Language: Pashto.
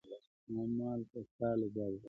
تسلیم کړي یې خانان او جنرالان وه؛